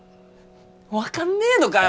分かんねえのかよ。